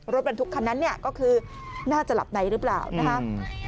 รถกระบะบันทุกคันนั้นก็คือน่าจะหลับในหรือเปล่านะฮะ